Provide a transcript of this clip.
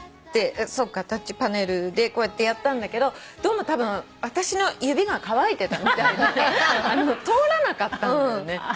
そうかタッチパネルでこうやってやったんだけどどうもたぶん私の指が乾いてたみたいで通らなかったんだよね。